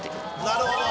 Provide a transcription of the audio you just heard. なるほど！